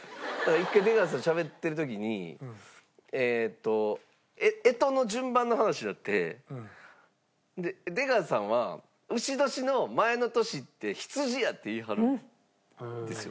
一回出川さんとしゃべってる時にえっと干支の順番の話になってで出川さんは丑年の前の年って未やって言いはるんですよ。